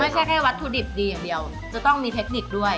แค่วัตถุดิบดีอย่างเดียวจะต้องมีเทคนิคด้วย